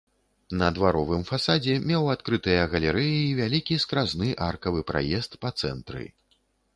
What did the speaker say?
На дваровым фасадзе меў адкрытыя галерэі і вялікі скразны аркавы праезд па цэнтры.